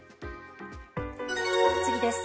次です。